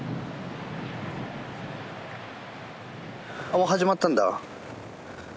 もう始まったんだ。